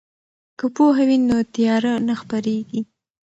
که پوهه وي نو تیاره نه خپریږي.